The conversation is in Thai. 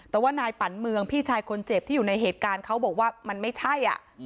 แต่ว่านายปันเมืองพี่ชายคนเจ็บที่อยู่ในเหตุการณ์เขาบอกว่ามันไม่ใช่